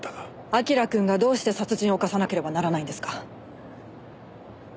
明君がどうして殺人を犯さなければならないんですか？